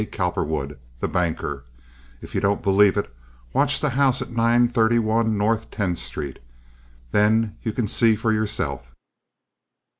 Cowperwood, the banker. If you don't believe it, watch the house at 931 North Tenth Street. Then you can see for yourself.